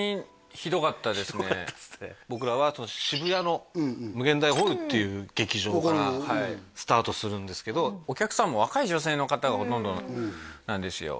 もう僕らは渋谷の∞ホールっていう劇場からスタートするんですけどお客さんも若い女性の方がほとんどなんですよ